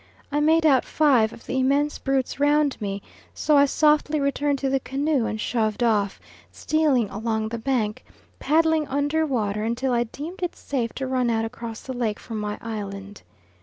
I made out five of the immense brutes round me, so I softly returned to the canoe and shoved off, stealing along the bank, paddling under water, until I deemed it safe to run out across the lake for my island.